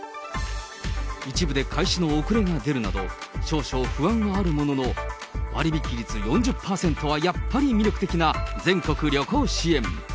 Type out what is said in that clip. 一部で開始の遅れが出るなど、少々不安があるものの、割引率４０％はやっぱり魅力的な全国旅行支援。